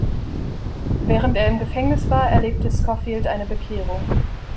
Während er im Gefängnis war, erlebte Scofield eine Bekehrung.